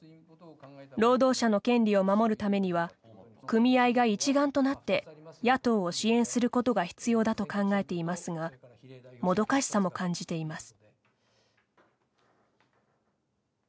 労働者の権利を守るためには組合が一丸となって野党を支援することが必要だと考えていますがもどかしさも感じています。